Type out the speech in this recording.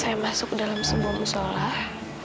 saya masuk dalam sembang sholah